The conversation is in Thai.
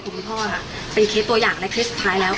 ครับ